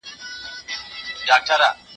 هغه وويل چي مطالعه کول مهم دي؟!